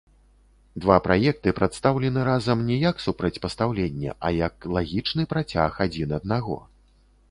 Два праекты прадстаўлены разам не як супрацьпастаўленне, а як лагічны працяг адзін аднаго.